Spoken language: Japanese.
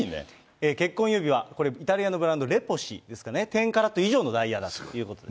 結婚指輪、これ、イタリアのブランド、レポシ、１０カラット以上のダイヤだということです。